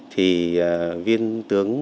thì viên tướng